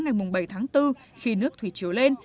ngày bảy tháng bốn khi nước thủy chiều lên